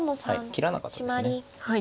切らなかったです。